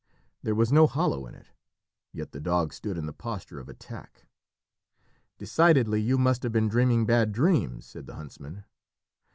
There was no hollow in it; yet the dog stood in the posture of attack. "Decidedly you must have been dreaming bad dreams," said the huntsman.